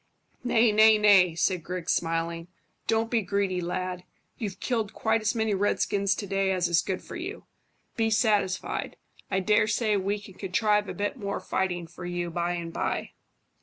"Nay, nay, nay," said Griggs, smiling; "don't be greedy, lad. You've killed quite as many redskins to day as is good for you. Be satisfied. I dare say we can contrive a bit more fighting for you by and by."